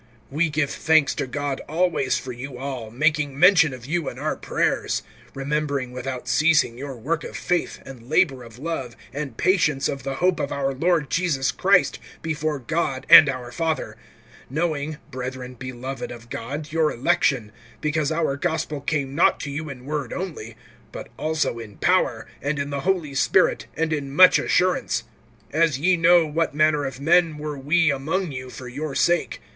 (2)We give thanks to God always for you all, making mention of you in our prayers; (3)remembering without ceasing your work of faith, and labor of love, and patience of the hope of our Lord Jesus Christ, before God and our Father; (4)knowing, brethren beloved of God, your election; (5)because our gospel came not to you in word only, but also in power, and in the Holy Spirit, and in much assurance; as ye know what manner of men were we among you, for your sake.